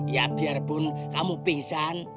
ya biarpun kamu pingsan